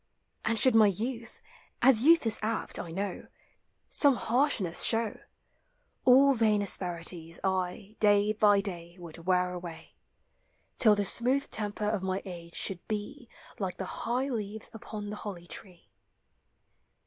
And should my youth — as youth is apt, I know — Some harshness show, All vain asperities I, day by day, Would wear away, Till the smooth temper of my age should be Like the high leaves upon the holly tree.